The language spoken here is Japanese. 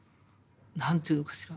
何て言うのかしら